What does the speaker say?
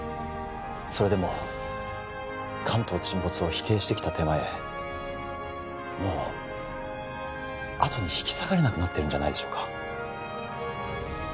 それでも関東沈没を否定してきた手前もう後に引き下がれなくなっているんじゃないでしょうか